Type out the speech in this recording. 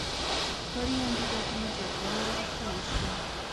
کاري انګېزه کې مو زیاتوالی راوستلی شي.